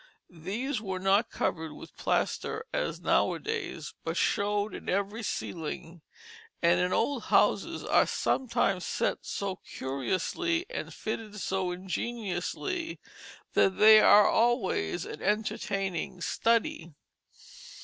These were not covered with plaster as nowadays, but showed in every ceiling; and in old houses are sometimes set so curiously and fitted so ingeniously, that they are always an entertaining study.